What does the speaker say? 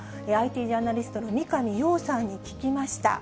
ＩＴジャーナリストの三上洋さんに聞きました。